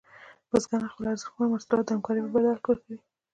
بزګران خپل ارزښتمن محصولات د همکارۍ په بدل کې ورکول.